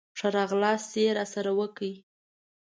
ښه راغلاست یې راسره وکړ.